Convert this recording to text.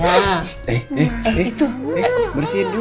bersihin dulu bersihin dulu